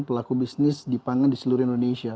pelaku bisnis dipangan di seluruh indonesia